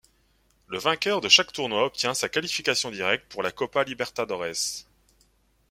Le vainqueur de chaque tournoi obtient sa qualification directe pour la Copa Libertadores.